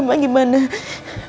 ayat yang saya harapkan adalah csi